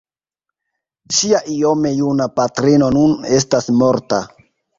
Ŝia iome juna patrino nun estas morta.